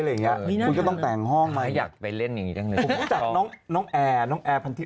เลยก็ต้องแต่งห้องไปอยากไปเล่นมาทำอย่างนี้